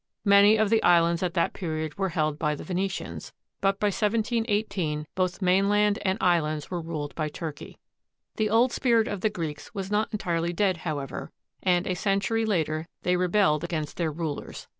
Many of the islands at that period were held by the Venetians; but by 1718, both mainland and islands were ruled by Turkey. The old spirit of the Greeks was not entirely dead, however, and a century later, they rebelled against their rulers.